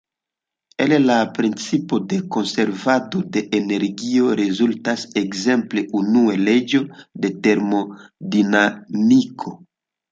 El la principo de konservado de energio rezultas ekzemple unua leĝo de termodinamiko.